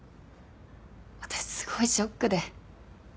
私すごいショックで。